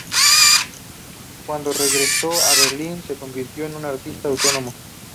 Cuando regresó a Berlín, se convirtió en un artista autónomo.